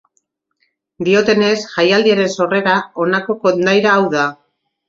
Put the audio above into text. Diotenez jaialdiaren sorrera honako kondaira hau da.